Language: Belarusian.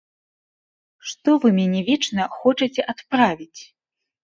Што вы мяне вечна хочаце адправіць?